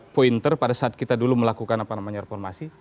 pointer pada saat kita dulu melakukan apa namanya reformasi